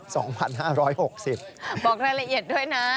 บอกรายละเอียดด้วยนะ